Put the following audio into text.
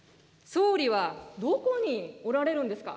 総理はどこにおられるんですか。